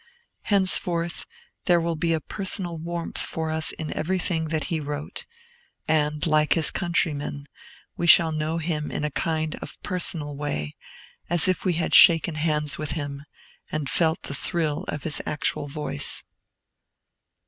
Henceforth, there will be a personal warmth for us in everything that he wrote; and, like his countrymen, we shall know him in a kind of personal way, as if we had shaken hands with him, and felt the thrill of his actual voice.